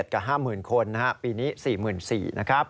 ๔๗๐๐๐กับ๕๐๐๐๐คนนะครับปีนี้๔๔๐๐๐ครับ